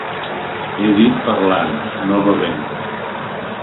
He dit parlant, no bevent.